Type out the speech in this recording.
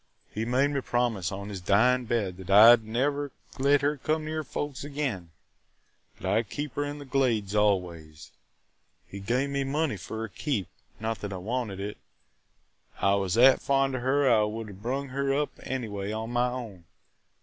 "He made me promise on his dying bed that I 'd never let her come near folks again, that I 'd keep her in the Glades always. He gave me money for her keep – not that I wanted it, – I was that fond of her I would 'a' brung her up anyway as my own.